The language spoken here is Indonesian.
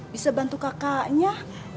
bisa bantu kakaknya